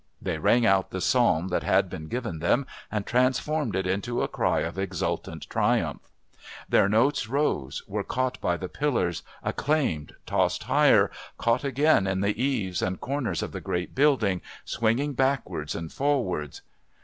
They rang out the Psalm that had been given them, and transformed it into a cry of exultant triumph. Their notes rose, were caught by the pillars, acclaimed, tossed higher, caught again in the eaves and corners of the great building, swinging backwards and forwards....